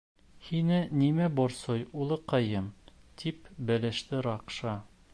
— Һине нимә борсой, улыҡайым? — тип белеште Ракша.